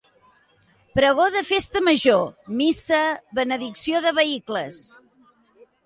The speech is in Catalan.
Pregó de festa Major, missa, benedicció de vehicles.